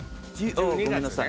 ごめんなさい。